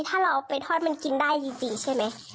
ถ้าเราเอาไปทอดมันกินได้จริงใช่ไหม